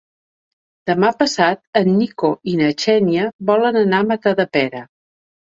Demà passat en Nico i na Xènia volen anar a Matadepera.